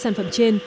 sản phẩm trên